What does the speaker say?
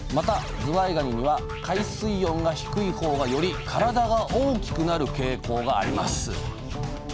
ずわいがにには海水温が低いほうがより体が大きくなる傾向があります